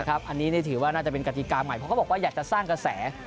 อันนี้ถือว่าน่าจะเป็นกติกาใหม่เพราะเขาบอกว่าอยากจะสร้างกระแส